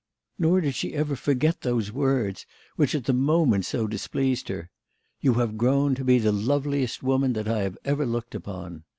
Nor did she ever forget those words which at the moment so displeased her "You have grown to be the loveliest woman that I have ever looked upon."